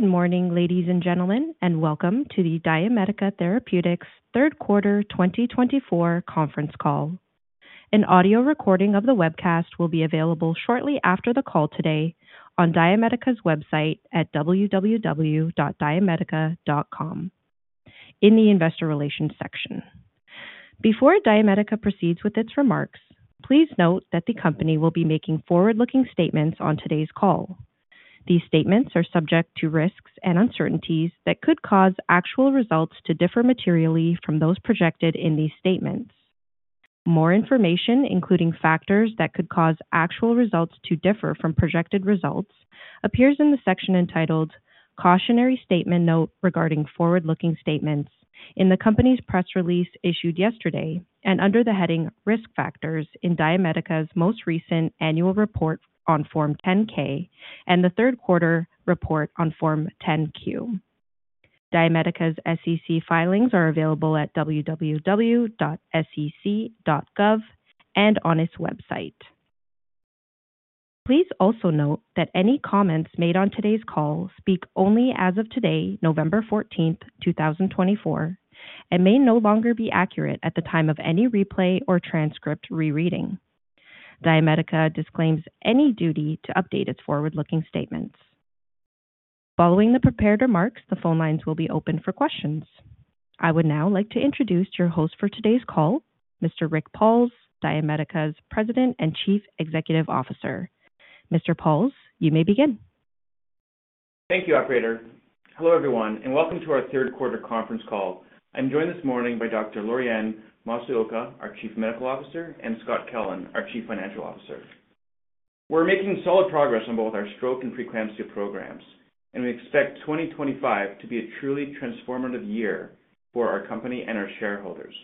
Good morning, ladies and gentlemen, and welcome to the DiaMedica Therapeutics third quarter 2024 conference call. An audio recording of the webcast will be available shortly after the call today on DiaMedica's website at www.diamedica.com, in the Investor Relations section. Before DiaMedica proceeds with its remarks, please note that the company will be making forward-looking statements on today's call. These statements are subject to risks and uncertainties that could cause actual results to differ materially from those projected in these statements. More information, including factors that could cause actual results to differ from projected results, appears in the section entitled "Cautionary Statement Note Regarding Forward-Looking Statements" in the company's press release issued yesterday, and under the heading "Risk Factors" in DiaMedica's most recent annual report on Form 10-K and the third quarter report on Form 10-Q. DiaMedica's SEC filings are available at www.sec.gov and on its website. Please also note that any comments made on today's call speak only as of today, November 14, 2024, and may no longer be accurate at the time of any replay or transcript rereading. DiaMedica disclaims any duty to update its forward-looking statements. Following the prepared remarks, the phone lines will be open for questions. I would now like to introduce your host for today's call, Mr. Rick Pauls, DiaMedica's President and Chief Executive Officer. Mr. Pauls, you may begin. Thank you, Operator. Hello, everyone, and welcome to our third quarter conference call. I'm joined this morning by Dr. Lorianne Masuoka, our Chief Medical Officer, and Scott Kellen, our Chief Financial Officer. We're making solid progress on both our stroke and pre-eclampsia programs, and we expect 2025 to be a truly transformative year for our company and our shareholders.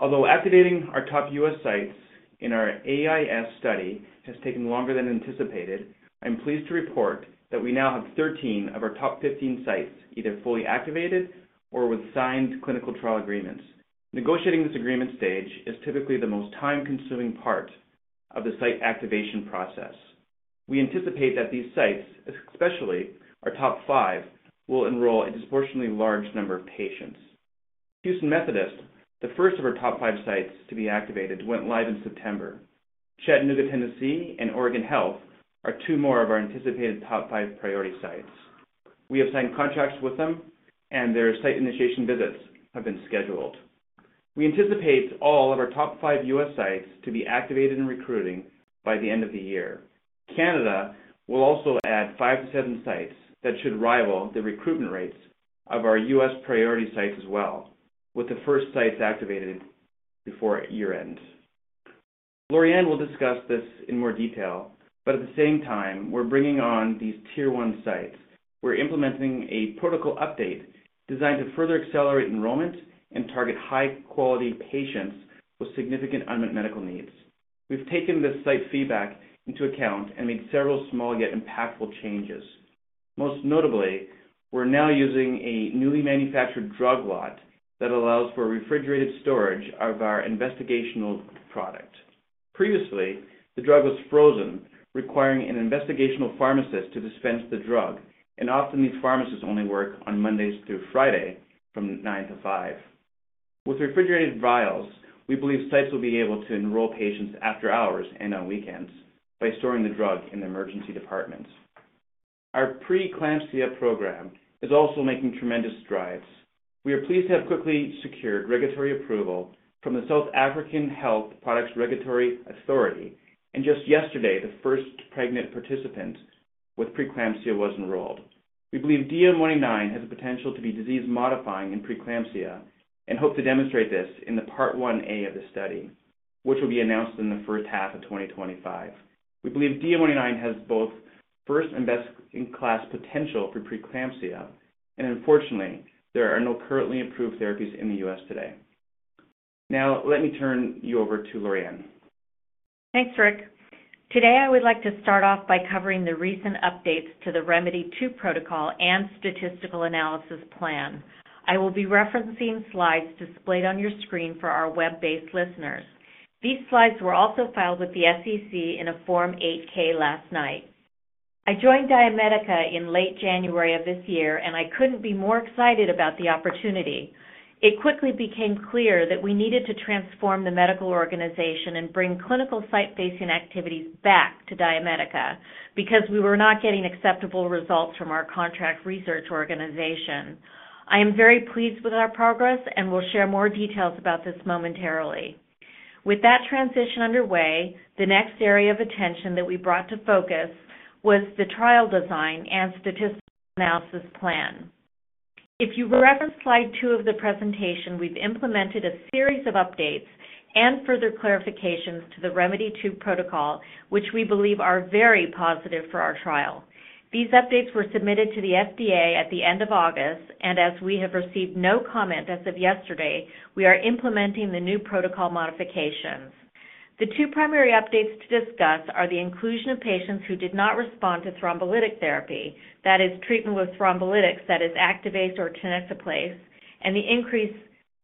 Although activating our top U.S. sites in our AIS study has taken longer than anticipated, I'm pleased to report that we now have 13 of our top 15 sites either fully activated or with signed clinical trial agreements. Negotiating this agreement stage is typically the most time-consuming part of the site activation process. We anticipate that these sites, especially our top five, will enroll a disproportionately large number of patients. Houston Methodist, the first of our top five sites to be activated, went live in September. Chattanooga, Tennessee, and Oregon Health are two more of our anticipated top five priority sites. We have signed contracts with them, and their site initiation visits have been scheduled. We anticipate all of our top five U.S. sites to be activated and recruiting by the end of the year. Canada will also add five to seven sites that should rival the recruitment rates of our U.S. priority sites as well, with the first sites activated before year-end. Lorianne will discuss this in more detail, but at the same time, we're bringing on these tier-one sites. We're implementing a protocol update designed to further accelerate enrollment and target high-quality patients with significant unmet medical needs. We've taken this site feedback into account and made several small yet impactful changes. Most notably, we're now using a newly manufactured drug lot that allows for refrigerated storage of our investigational product. Previously, the drug was frozen, requiring an investigational pharmacist to dispense the drug, and often these pharmacists only work on Mondays through Friday from 9:00 A.M. to 5:00 P.M. With refrigerated vials, we believe sites will be able to enroll patients after hours and on weekends by storing the drug in the emergency department. Our pre-eclampsia program is also making tremendous strides. We are pleased to have quickly secured regulatory approval from the South African Health Products Regulatory Authority, and just yesterday, the first pregnant participant with pre-eclampsia was enrolled. We believe DM199 has the potential to be disease-modifying in pre-eclampsia and hope to demonstrate this in the part one A of the study, which will be announced in the first half of 2025. We believe DM199 has both first and best-in-class potential for pre-eclampsia, and unfortunately, there are no currently approved therapies in the U.S. today. Now, let me turn you over to Lorianne. Thanks, Rick. Today, I would like to start off by covering the recent updates to the ReMEDy2 protocol and statistical analysis plan. I will be referencing slides displayed on your screen for our web-based listeners. These slides were also filed with the SEC in a Form 8-K last night. I joined DiaMedica in late January of this year, and I couldn't be more excited about the opportunity. It quickly became clear that we needed to transform the medical organization and bring clinical site-facing activities back to DiaMedica because we were not getting acceptable results from our contract research organization. I am very pleased with our progress and will share more details about this momentarily. With that transition underway, the next area of attention that we brought to focus was the trial design and statistical analysis plan. If you reference slide two of the presentation, we've implemented a series of updates and further clarifications to theReMEDy2 protocol, which we believe are very positive for our trial. These updates were submitted to the FDA at the end of August, and as we have received no comment as of yesterday, we are implementing the new protocol modifications. The two primary updates to discuss are the inclusion of patients who did not respond to thrombolytic therapy, that is, treatment with thrombolytics that is Activase or Tenecteplase, and the increase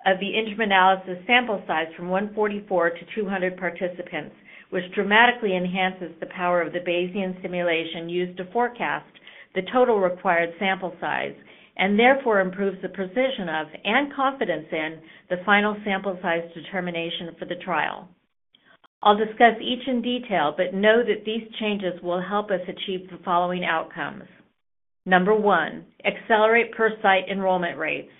of the interim analysis sample size from 144 to 200 participants, which dramatically enhances the power of the Bayesian simulation used to forecast the total required sample size and therefore improves the precision of and confidence in the final sample size determination for the trial. I'll discuss each in detail, but know that these changes will help us achieve the following outcomes. Number one, accelerate per-site enrollment rates.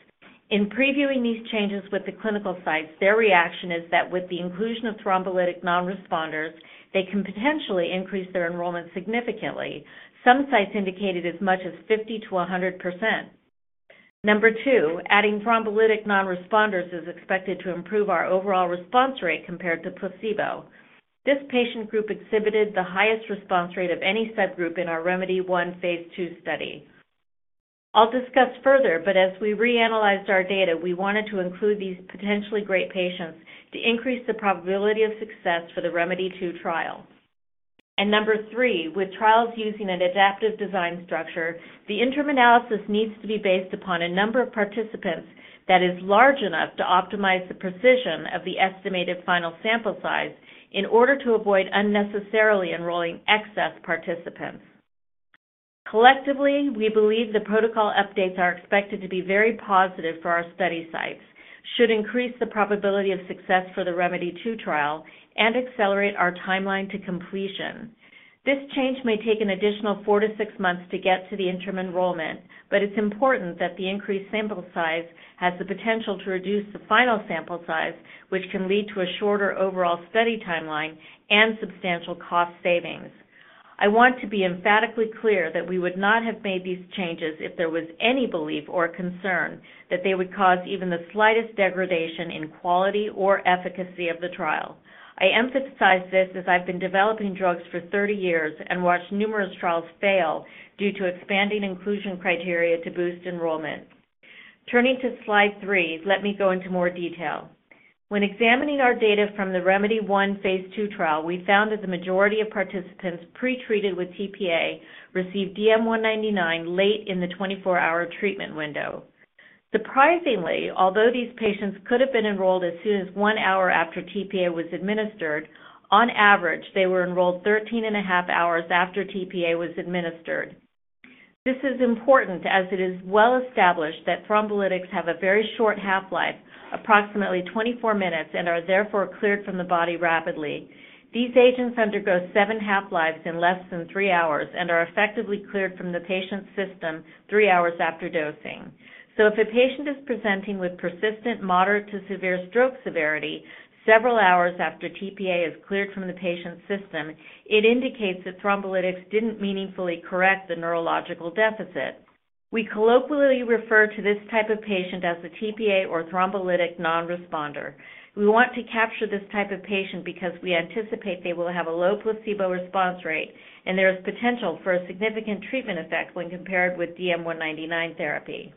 In previewing these changes with the clinical sites, their reaction is that with the inclusion of thrombolytic non-responders, they can potentially increase their enrollment significantly. Some sites indicated as much as 50%-100%. Number two, adding thrombolytic non-responders is expected to improve our overall response rate compared to placebo. This patient group exhibited the highest response rate of any subgroup in our ReMEDy1 phase II study. I'll discuss further, but as we reanalyzed our data, we wanted to include these potentially great patients to increase the probability of success for the ReMEDy2 trial. Number three, with trials using an adaptive design structure, the interim analysis needs to be based upon a number of participants that is large enough to optimize the precision of the estimated final sample size in order to avoid unnecessarily enrolling excess participants. Collectively, we believe the protocol updates are expected to be very positive for our study sites, should increase the probability of success for the ReMEDy2 trial, and accelerate our timeline to completion. This change may take an additional four to six months to get to the interim enrollment, but it's important that the increased sample size has the potential to reduce the final sample size, which can lead to a shorter overall study timeline and substantial cost savings. I want to be emphatically clear that we would not have made these changes if there was any belief or concern that they would cause even the slightest degradation in quality or efficacy of the trial. I emphasize this as I've been developing drugs for 30 years and watched numerous trials fail due to expanding inclusion criteria to boost enrollment. Turning to slide three, let me go into more detail. When examining our data from the ReMEDy1 phase II trial, we found that the majority of participants pre-treated with tPA received DM199 late in the 24-hour treatment window. Surprisingly, although these patients could have been enrolled as soon as one hour after tPA was administered, on average, they were enrolled 13 and a half hours after tPA was administered. This is important as it is well established that thrombolytics have a very short half-life, approximately 24 minutes, and are therefore cleared from the body rapidly. These agents undergo seven half-lives in less than three hours and are effectively cleared from the patient's system three hours after dosing. So if a patient is presenting with persistent moderate to severe stroke severity several hours after tPA is cleared from the patient's system, it indicates that thrombolytics didn't meaningfully correct the neurological deficit. We colloquially refer to this type of patient as a tPA or thrombolytic non-responder. We want to capture this type of patient because we anticipate they will have a low placebo response rate, and there is potential for a significant treatment effect when compared with DM199 therapy.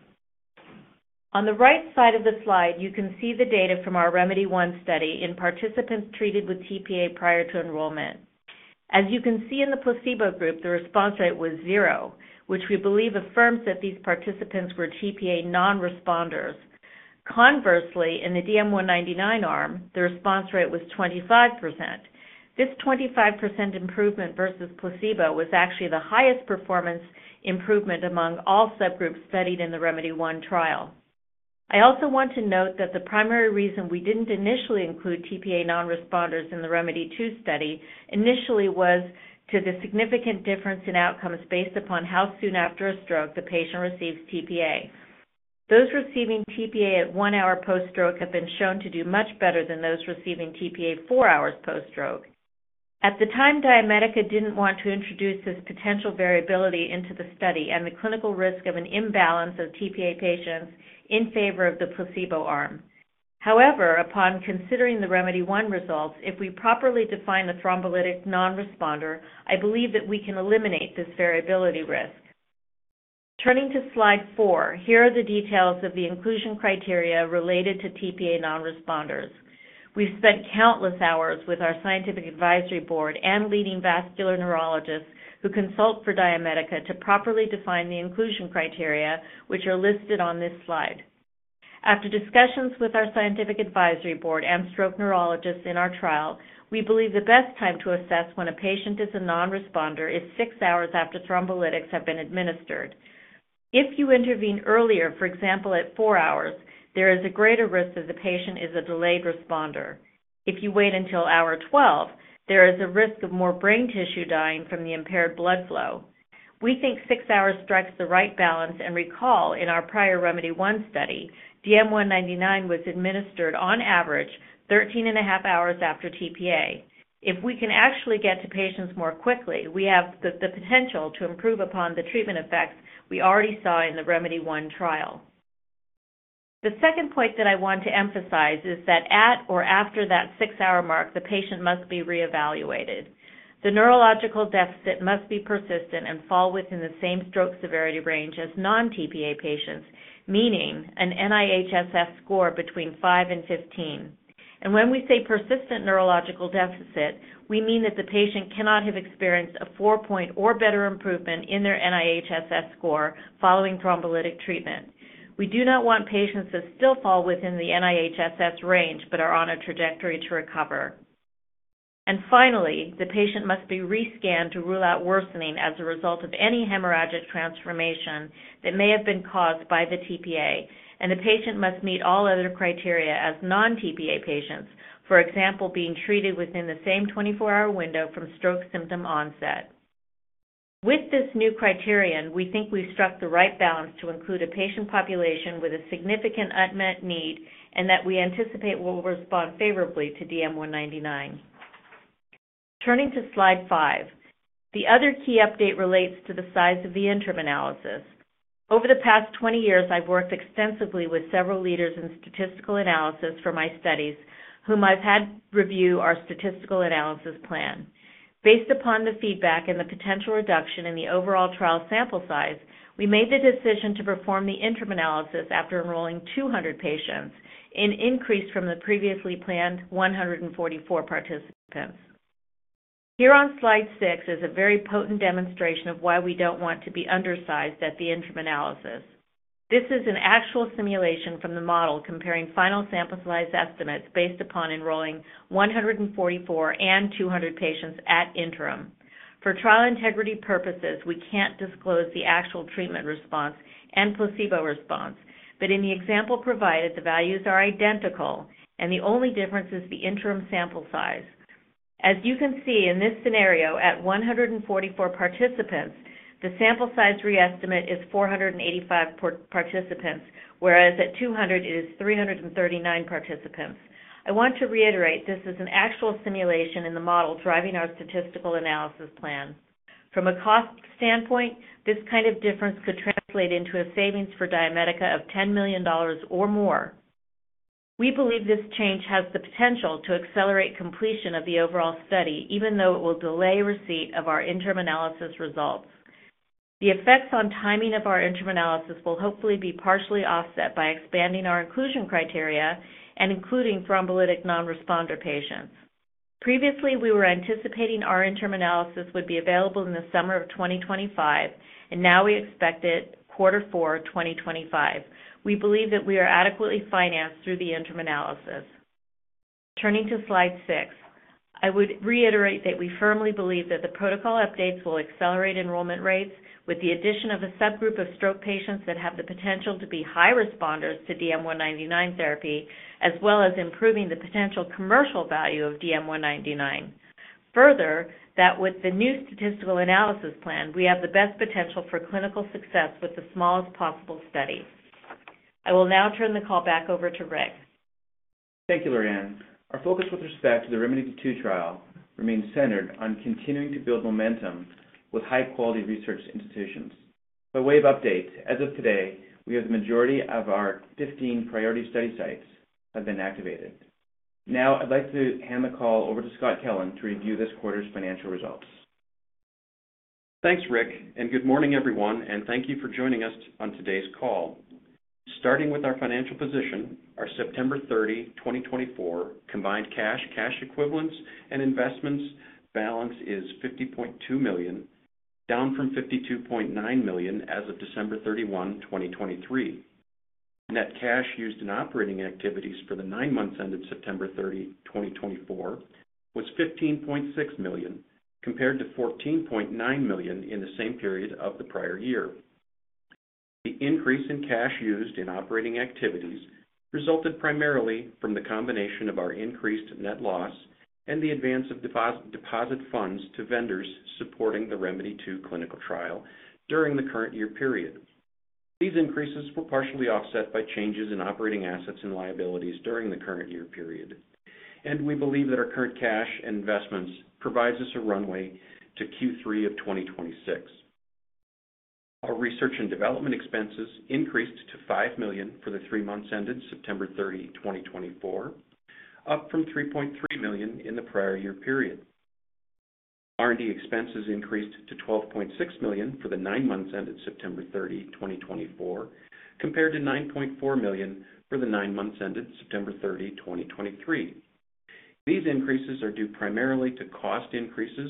On the right side of the slide, you can see the data from our ReMEDy1 study in participants treated with tPA prior to enrollment. As you can see in the placebo group, the response rate was 0%, which we believe affirms that these participants were tPA non-responders. Conversely, in the DM199 arm, the response rate was 25%. This 25% improvement versus placebo was actually the highest performance improvement among all subgroups studied in the ReMEDy1 trial. I also want to note that the primary reason we didn't initially include tPA non-responders in the ReMEDy2 study initially was due to the significant difference in outcomes based upon how soon after a stroke the patient receives tPA. Those receiving tPA at one hour post-stroke have been shown to do much better than those receiving tPA four hours post-stroke. At the time, DiaMedica didn't want to introduce this potential variability into the study and the clinical risk of an imbalance of TPA patients in favor of the placebo arm. However, upon considering the ReMEDy1 results, if we properly define a thrombolytic non-responder, I believe that we can eliminate this variability risk. Turning to slide four, here are the details of the inclusion criteria related to TPA non-responders. We've spent countless hours with our scientific advisory board and leading vascular neurologists who consult for DiaMedica to properly define the inclusion criteria, which are listed on this slide. After discussions with our scientific advisory board and stroke neurologists in our trial, we believe the best time to assess when a patient is a non-responder is six hours after thrombolytics have been administered. If you intervene earlier, for example, at four hours, there is a greater risk that the patient is a delayed responder. If you wait until hour 12, there is a risk of more brain tissue dying from the impaired blood flow. We think six hours strikes the right balance, and recall in our prior ReMEDy1 study, DM199 was administered on average 13 and a half hours after TPA. If we can actually get to patients more quickly, we have the potential to improve upon the treatment effects we already saw in the ReMEDy1 trial. The second point that I want to emphasize is that at or after that six-hour mark, the patient must be reevaluated. The neurological deficit must be persistent and fall within the same stroke severity range as non-TPA patients, meaning an NIHSS score between 5 and 15. When we say persistent neurological deficit, we mean that the patient cannot have experienced a four-point or better improvement in their NIHSS score following thrombolytic treatment. We do not want patients that still fall within the NIHSS range but are on a trajectory to recover. And finally, the patient must be rescanned to rule out worsening as a result of any hemorrhagic transformation that may have been caused by the TPA, and the patient must meet all other criteria as non-TPA patients, for example, being treated within the same 24-hour window from stroke symptom onset. With this new criterion, we think we've struck the right balance to include a patient population with a significant unmet need and that we anticipate will respond favorably to DM199. Turning to slide five, the other key update relates to the size of the interim analysis. Over the past 20 years, I've worked extensively with several leaders in statistical analysis for my studies whom I've had review our statistical analysis plan. Based upon the feedback and the potential reduction in the overall trial sample size, we made the decision to perform the interim analysis after enrolling 200 patients, an increase from the previously planned 144 participants. Here on Slide 6 is a very potent demonstration of why we don't want to be undersized at the interim analysis. This is an actual simulation from the model comparing final sample size estimates based upon enrolling 144 and 200 patients at interim. For trial integrity purposes, we can't disclose the actual treatment response and placebo response, but in the example provided, the values are identical, and the only difference is the interim sample size. As you can see in this scenario, at 144 participants, the sample size reestimate is 485 participants, whereas at 200, it is 339 participants. I want to reiterate this is an actual simulation in the model driving our statistical analysis plan. From a cost standpoint, this kind of difference could translate into a savings for DiaMedica of $10 million or more. We believe this change has the potential to accelerate completion of the overall study, even though it will delay receipt of our interim analysis results. The effects on timing of our interim analysis will hopefully be partially offset by expanding our inclusion criteria and including thrombolytic non-responder patients. Previously, we were anticipating our interim analysis would be available in the summer of 2025, and now we expect it quarter four 2025. We believe that we are adequately financed through the interim analysis. Turning to slide six, I would reiterate that we firmly believe that the protocol updates will accelerate enrollment rates with the addition of a subgroup of stroke patients that have the potential to be high responders to DM199 therapy, as well as improving the potential commercial value of DM199. Further, that with the new statistical analysis plan, we have the best potential for clinical success with the smallest possible study. I will now turn the call back over to Rick. Thank you, Lorianne. Our focus with respect to the ReMEDy2 trial remains centered on continuing to build momentum with high-quality research institutions. By way of update, as of today, we have the majority of our 15 priority study sites have been activated. Now, I'd like to hand the call over to Scott Kellen to review this quarter's financial results. Thanks, Rick, and good morning, everyone, and thank you for joining us on today's call. Starting with our financial position, our September 30, 2024, combined cash, cash equivalents, and investments balance is $50.2 million, down from $52.9 million as of December 31, 2023. Net cash used in operating activities for the nine months ended September 30, 2024, was $15.6 million compared to $14.9 million in the same period of the prior year. The increase in cash used in operating activities resulted primarily from the combination of our increased net loss and the advance of deposit funds to vendors supporting the ReMEDy2 clinical trial during the current year period. These increases were partially offset by changes in operating assets and liabilities during the current year period, and we believe that our current cash and investments provides us a runway to Q3 of 2026. Our research and development expenses increased to $5 million for the three months ended September 30, 2024, up from $3.3 million in the prior year period. R&D expenses increased to $12.6 million for the nine months ended September 30, 2024, compared to $9.4 million for the nine months ended September 30, 2023. These increases are due primarily to cost increases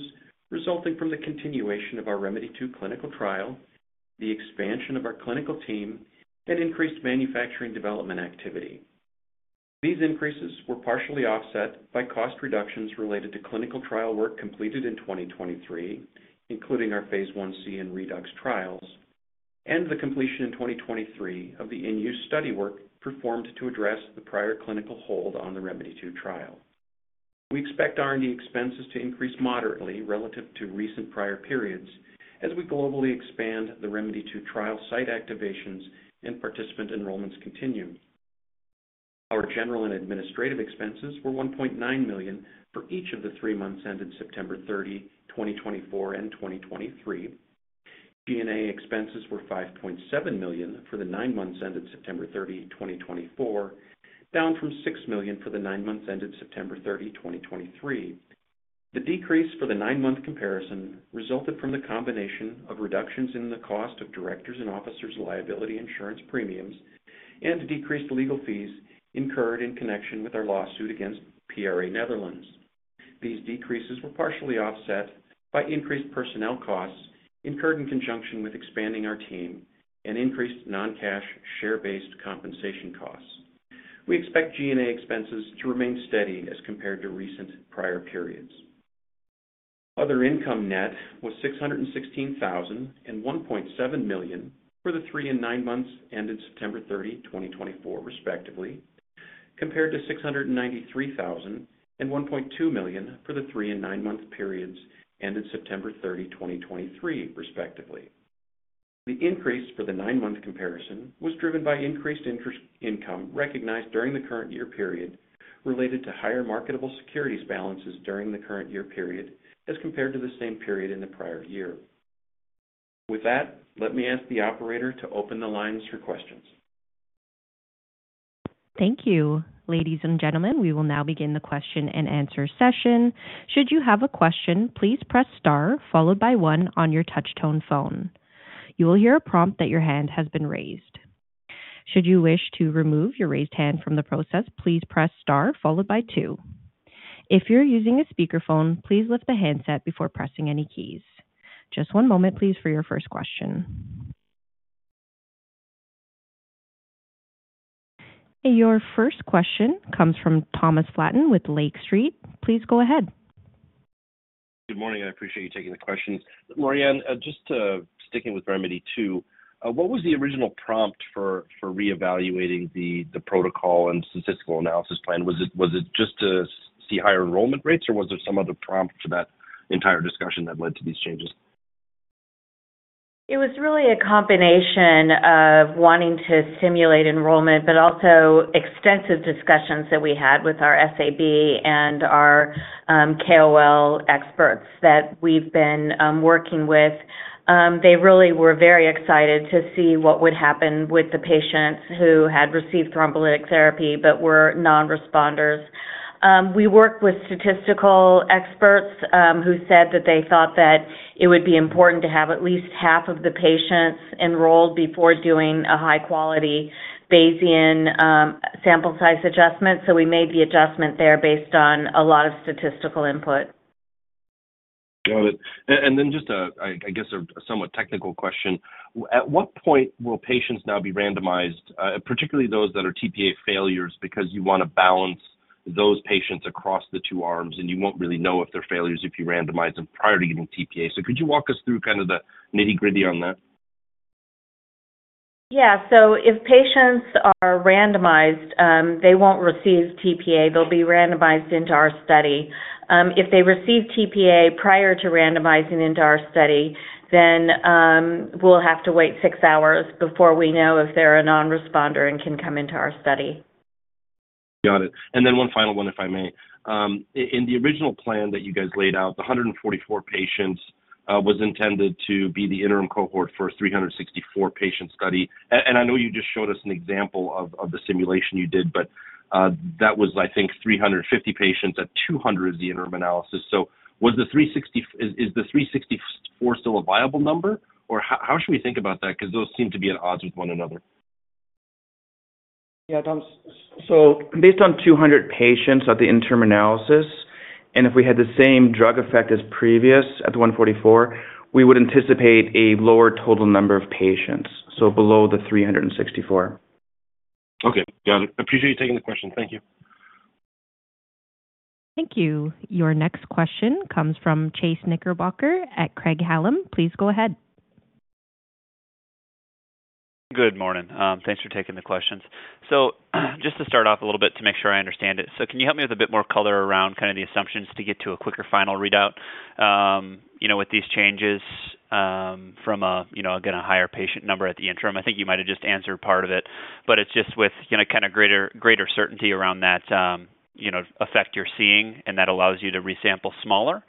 resulting from the continuation of our ReMEDy2 clinical trial, the expansion of our clinical team, and increased manufacturing development activity. These increases were partially offset by cost reductions related to clinical trial work completed in 2023, including our Phase 1C and REDUX trials, and the completion in 2023 of the in-use study work performed to address the prior clinical hold on the ReMEDy2 trial. We expect R&D expenses to increase moderately relative to recent prior periods as we globally expand the ReMEDy2 trial site activations and participant enrollments continue. Our general and administrative expenses were $1.9 million for each of the three months ended September 30, 2024, and 2023. G&A expenses were $5.7 million for the nine months ended September 30, 2024, down from $6 million for the nine months ended September 30, 2023. The decrease for the nine-month comparison resulted from the combination of reductions in the cost of directors and officers' liability insurance premiums and decreased legal fees incurred in connection with our lawsuit against PRA Netherlands. These decreases were partially offset by increased personnel costs incurred in conjunction with expanding our team and increased non-cash share-based compensation costs. We expect G&A expenses to remain steady as compared to recent prior periods. Other income net was $616,000 and $1.7 million for the three and nine months ended September 30, 2024, respectively, compared to $693,000 and $1.2 million for the three and nine-month periods ended September 30, 2023, respectively. The increase for the nine-month comparison was driven by increased interest income recognized during the current year period related to higher marketable securities balances during the current year period as compared to the same period in the prior year. With that, let me ask the operator to open the lines for questions. Thank you. Ladies and gentlemen, we will now begin the question and answer session. Should you have a question, please press star followed by one on your touch-tone phone. You will hear a prompt that your hand has been raised. Should you wish to remove your raised hand from the process, please press star followed by two. If you're using a speakerphone, please lift the handset before pressing any keys. Just one moment, please, for your first question. Your first question comes from Thomas Flaten with Lake Street. Please go ahead. Good morning. I appreciate you taking the questions. Lorianne, just sticking with ReMEDy2, what was the original prompt for reevaluating the protocol and statistical analysis plan? Was it just to see higher enrollment rates, or was there some other prompt for that entire discussion that led to these changes? It was really a combination of wanting to stimulate enrollment, but also extensive discussions that we had with our SAB and our KOL experts that we've been working with. They really were very excited to see what would happen with the patients who had received thrombolytic therapy but were non-responders. We worked with statistical experts who said that they thought that it would be important to have at least half of the patients enrolled before doing a high-quality Bayesian sample size adjustment. So we made the adjustment there based on a lot of statistical input. Got it. And then just, I guess, a somewhat technical question. At what point will patients now be randomized, particularly those that are TPA failures, because you want to balance those patients across the two arms, and you won't really know if they're failures if you randomize them prior to getting TPA? So could you walk us through kind of the nitty-gritty on that? Yeah. So if patients are randomized, they won't receive TPA. They'll be randomized into our study. If they receive TPA prior to randomizing into our study, then we'll have to wait six hours before we know if they're a non-responder and can come into our study. Got it. And then one final one, if I may. In the original plan that you guys laid out, the 144 patients was intended to be the interim cohort for a 364-patient study. And I know you just showed us an example of the simulation you did, but that was, I think, 350 patients at 200 as the interim analysis. So is the 364 still a viable number, or how should we think about that? Because those seem to be at odds with one another. Yeah. So based on 200 patients at the interim analysis, and if we had the same drug effect as previous at the 144, we would anticipate a lower total number of patients, so below the 364. Okay. Got it. Appreciate you taking the question. Thank you. Thank you. Your next question comes from Chase Knickerbocker at Craig-Hallum. Please go ahead. Good morning. Thanks for taking the questions. So just to start off a little bit to make sure I understand it. So can you help me with a bit more color around kind of the assumptions to get to a quicker final readout with these changes from, again, a higher patient number at the interim? I think you might have just answered part of it, but it's just with kind of greater certainty around that effect you're seeing and that allows you to resample smaller,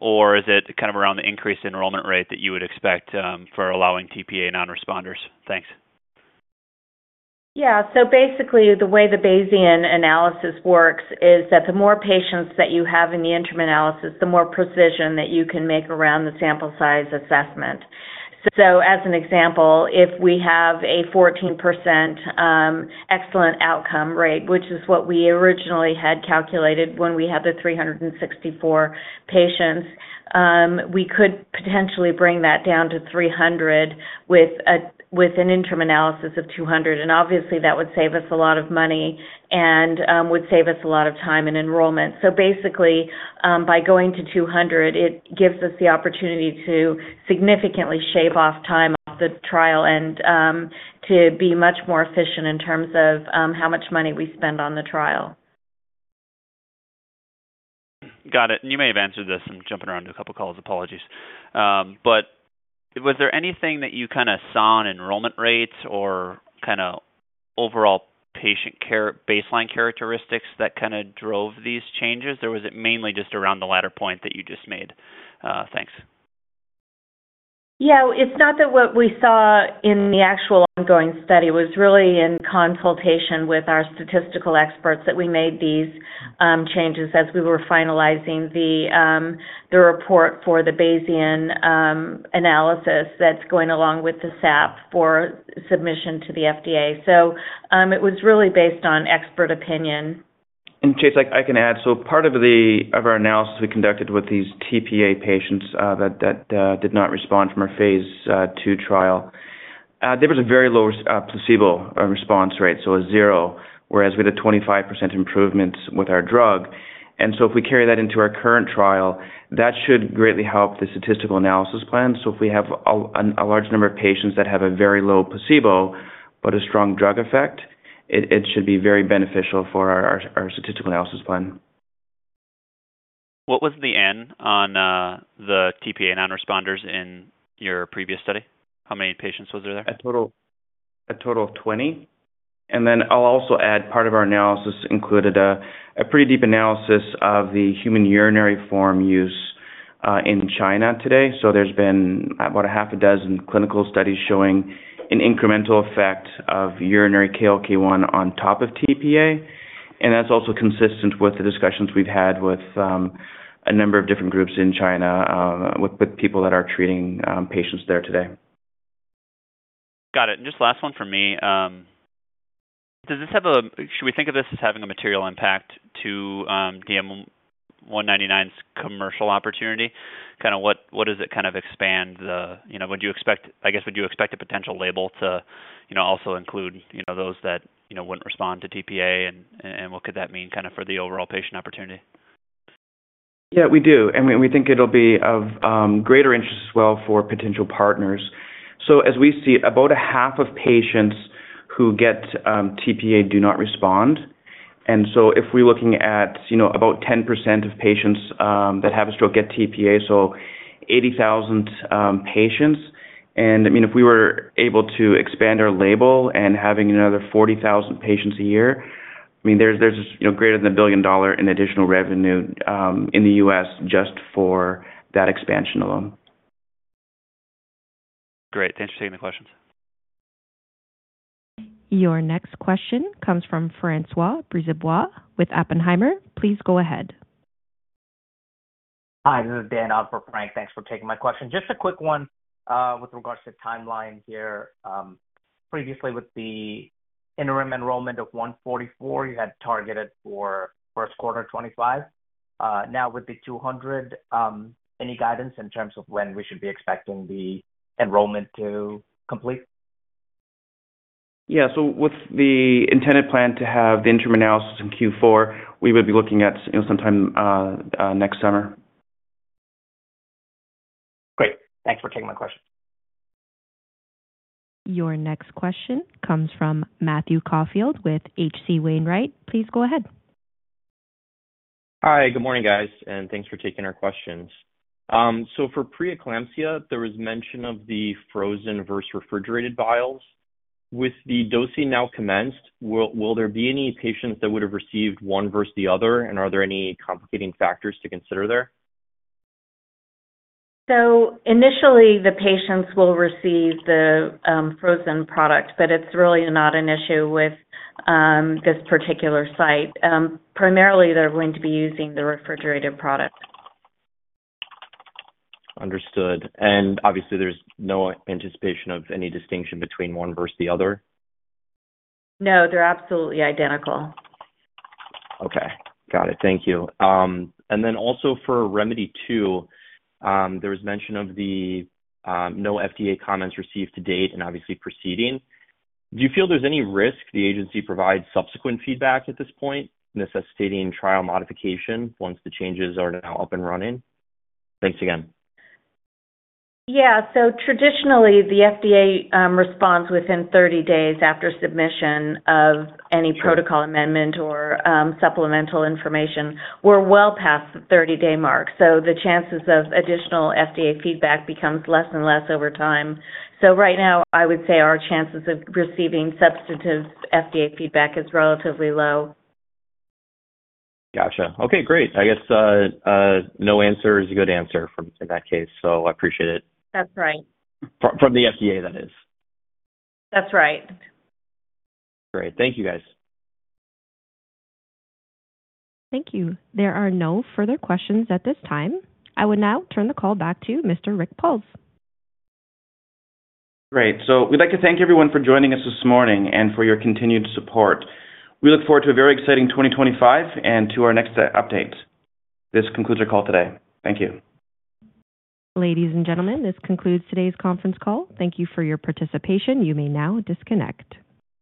or is it kind of around the increased enrollment rate that you would expect for allowing TPA non-responders? Thanks. Yeah. So basically, the way the Bayesian analysis works is that the more patients that you have in the interim analysis, the more precision that you can make around the sample size assessment. So as an example, if we have a 14% excellent outcome rate, which is what we originally had calculated when we had the 364 patients, we could potentially bring that down to 300 with an interim analysis of 200. And obviously, that would save us a lot of money and would save us a lot of time in enrollment. So basically, by going to 200, it gives us the opportunity to significantly shave off time off the trial and to be much more efficient in terms of how much money we spend on the trial. Got it. And you may have answered this. I'm jumping around to a couple of calls. Apologies. But was there anything that you kind of saw in enrollment rates or kind of overall patient care baseline characteristics that kind of drove these changes, or was it mainly just around the latter point that you just made? Thanks. Yeah. It's not that what we saw in the actual ongoing study. It was really in consultation with our statistical experts that we made these changes as we were finalizing the report for the Bayesian analysis that's going along with the SAP for submission to the FDA. So it was really based on expert opinion. And Chase, I can add. So, part of our analysis we conducted with these TPA patients that did not respond from our phase 2 trial, there was a very low placebo response rate, so a zero, whereas we had a 25% improvement with our drug. And so if we carry that into our current trial, that should greatly help the statistical analysis plan. So if we have a large number of patients that have a very low placebo but a strong drug effect, it should be very beneficial for our statistical analysis plan. What was the N on the TPA non-responders in your previous study? How many patients was there? A total of 20. And then I'll also add, part of our analysis included a pretty deep analysis of the human urinary form use in China today. So there's been about a half a dozen clinical studies showing an incremental effect of urinary KLK1 on top of TPA. And that's also consistent with the discussions we've had with a number of different groups in China with people that are treating patients there today. Got it. And just last one for me. Does this have a should we think of this as having a material impact to DM199's commercial opportunity? Kind of what does it kind of expand the would you expect I guess, would you expect a potential label to also include those that wouldn't respond to TPA, and what could that mean kind of for the overall patient opportunity? Yeah, we do. And we think it'll be of greater interest as well for potential partners. So as we see, about a half of patients who get TPA do not respond. If we're looking at about 10% of patients that have a stroke get TPA, so 80,000 patients. I mean, if we were able to expand our label and having another 40,000 patients a year, I mean, there's greater than $1 billion in additional revenue in the U.S. just for that expansion alone. Great. Thanks for taking the questions. Your next question comes from Francois Brisebois with Oppenheimer. Please go ahead. Hi. This is Dan on for Frank. Thanks for taking my question. Just a quick one with regards to timeline here. Previously, with the interim enrollment of 144, you had targeted for first quarter 2025. Now, with the 200, any guidance in terms of when we should be expecting the enrollment to complete? Yeah. With the intended plan to have the interim analysis in Q4, we would be looking at sometime next summer. Great. Thanks for taking my question. Your next question comes from Matthew Caufield with H.C. Wainwright. Please go ahead. Hi. Good morning, guys. And thanks for taking our questions. So for preeclampsia, there was mention of the frozen versus refrigerated vials. With the dosing now commenced, will there be any patients that would have received one versus the other, and are there any complicating factors to consider there? So initially, the patients will receive the frozen product, but it's really not an issue with this particular site. Primarily, they're going to be using the refrigerated product. Understood. And obviously, there's no anticipation of any distinction between one versus the other? No. They're absolutely identical. Okay. Got it. Thank you. And then also for ReMEDy2, there was mention of the no FDA comments received to date and obviously proceeding. Do you feel there's any risk the agency provides subsequent feedback at this point necessitating trial modification once the changes are now up and running? Thanks again. Yeah. So traditionally, the FDA responds within 30 days after submission of any protocol amendment or supplemental information. We're well past the 30-day mark. So the chances of additional FDA feedback becomes less and less over time. So right now, I would say our chances of receiving substantive FDA feedback is relatively low. Gotcha. Okay. Great. I guess no answer is a good answer in that case. So I appreciate it. That's right. From the FDA, that is. That's right. Great. Thank you, guys. Thank you. There are no further questions at this time. I will now turn the call back to Mr. Rick Pauls. Great. So we'd like to thank everyone for joining us this morning and for your continued support. We look forward to a very exciting 2025 and to our next updates. This concludes our call today. Thank you. Ladies and gentlemen, this concludes today's conference call. Thank you for your participation. You may now disconnect.